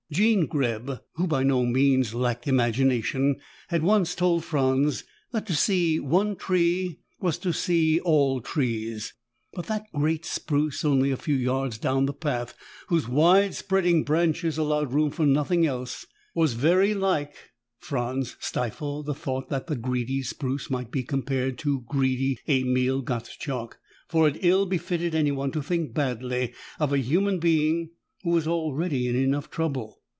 Jean Greb, who by no means lacked imagination, had once told Franz that to see one tree was to see all trees. But that great spruce only a few yards down the path, whose wide spreading branches allowed room for nothing else, was very like Franz stifled the thought that the greedy spruce might be compared to greedy Emil Gottschalk, for it ill befitted anyone to think badly of a human being who was already in enough trouble.